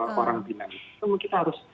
enggak harus terjadi